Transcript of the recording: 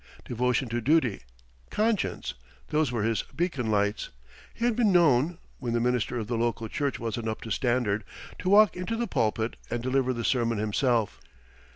Devotion to duty conscience those were his beacon lights. He had been known, when the minister of the local church wasn't up to standard, to walk into the pulpit, and deliver the sermon himself.